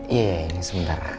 iya ini sebentar